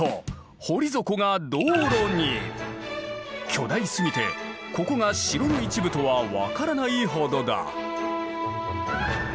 巨大すぎてここが城の一部とは分からないほどだ。